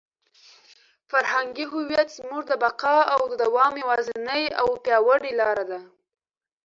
فرهنګي هویت زموږ د بقا او د دوام یوازینۍ او پیاوړې لاره ده.